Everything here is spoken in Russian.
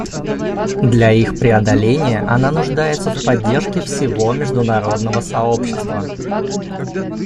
Для их преодоления она нуждается в поддержке всего международного сообщества.